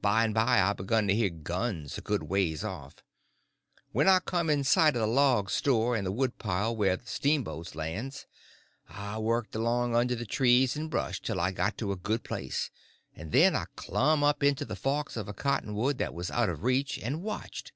By and by I begin to hear guns a good ways off. When I come in sight of the log store and the woodpile where the steamboats lands I worked along under the trees and brush till I got to a good place, and then I clumb up into the forks of a cottonwood that was out of reach, and watched.